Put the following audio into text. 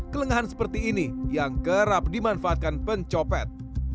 kelengahan seperti ini yang kerap dimanfaatkan pencopet